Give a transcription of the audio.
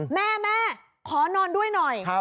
แม่แม่ขอนอนด้วยหน่อย